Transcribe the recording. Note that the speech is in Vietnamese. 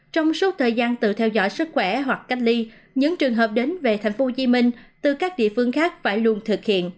trong suốt thời gian tự theo dõi sức khỏe hoặc cách ly những trường hợp đến về tp hcm từ các địa phương khác phải luôn thực hiện